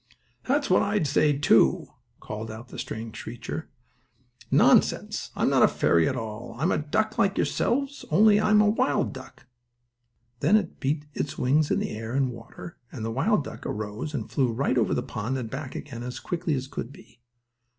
"That's what I say, too," called out the strange creature. "Nonsense! I'm not a fairy at all. I'm a duck like yourselves, only I am a wild duck." Then its wings beat the air and water, and the wild duck arose and flew right over the pond and back again, as quickly as could be.